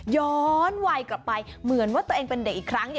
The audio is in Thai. ย้อนไหวกลับไปเหมือนว่าเป็นเด็กอีกครั้ง